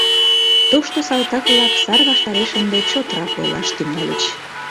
Тошто салтак-влак сар ваштареш ынде чотрак ойлаш тӱҥальыч.